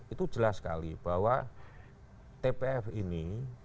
itu jelas sekali bahwa tpf ini